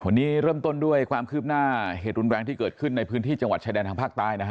วันนี้เริ่มต้นด้วยความคืบหน้าเหตุรุนแรงที่เกิดขึ้นในพื้นที่จังหวัดชายแดนทางภาคใต้นะฮะ